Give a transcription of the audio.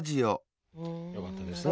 よかったですね。